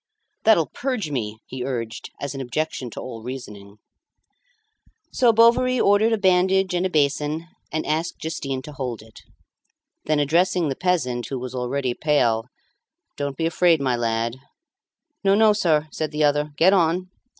"That'll purge me," he urged as an objection to all reasoning. So Bovary ordered a bandage and a basin, and asked Justin to hold it. Then addressing the peasant, who was already pale "Don't be afraid, my lad." "No, no, sir," said the other; "get on."